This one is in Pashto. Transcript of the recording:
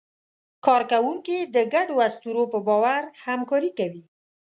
کارکوونکي د ګډو اسطورو په باور همکاري کوي.